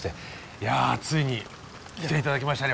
いやついに来て頂きましたね